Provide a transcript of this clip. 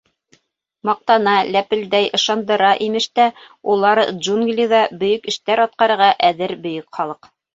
Маҡтана, ләпелдәй, ышандыра, имеш тә, улар джунглиҙа бөйөк эштәр атҡарырға әҙер бөйөк халыҡ.